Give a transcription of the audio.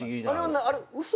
あれ嘘？